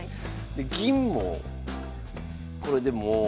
で銀もこれでも。